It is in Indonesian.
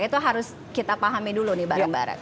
itu harus kita pahami dulu nih bareng bareng